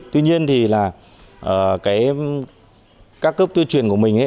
tuy nhiên thì là cái các cấp tuyên truyền của mình